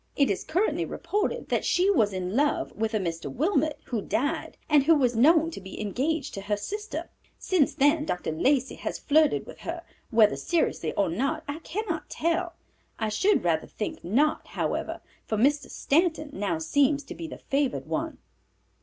It is currently reported that she was in love with a Mr. Wilmot, who died, and who was known to be engaged to her sister. Since then Dr. Lacey has flirted with her, whether seriously or not I cannot tell; I should rather think not, however, for Mr. Stanton now seems to be the favored one."